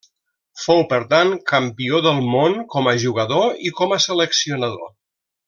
Fou, per tant, campió del Món com a jugador i com a seleccionador.